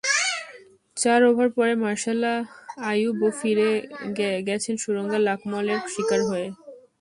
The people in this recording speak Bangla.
চার ওভার পরে মার্শাল আইয়ুবও ফিরে গেছেন সুরঙ্গা লাকমলের শিকার হয়ে।